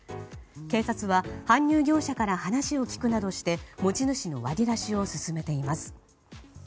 警察は、搬入業者から話を聞くなどして持ち主の割り出しを進めています。